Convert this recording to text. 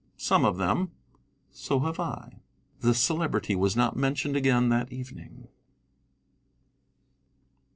"Some of them." "So have I." The Celebrity was not mentioned again that evening.